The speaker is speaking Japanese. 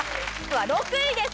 ６位です。